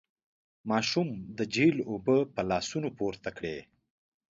ماشوم د جهيل اوبه په لاسونو پورته کړې.